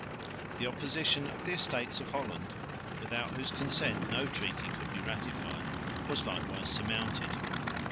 The opposition of the Estates of Holland, without whose consent no treaty could be ratified, was likewise surmounted.